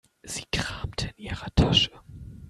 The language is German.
Sie kramte in ihrer Tasche.